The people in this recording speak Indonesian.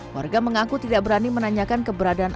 warga mengaku tidak berani menanyakan keberadaan